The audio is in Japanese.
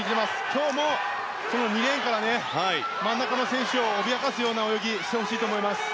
今日も２レーンから真ん中の選手を脅かすような泳ぎをしてほしいと思います。